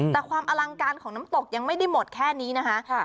แต่ความอลังการของน้ำตกยังไม่ได้หมดแค่นี้นะคะ